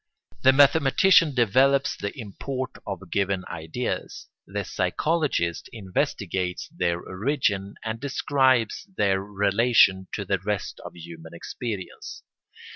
The mathematician develops the import of given ideas; the psychologist investigates their origin and describes their relation to the rest of human experience.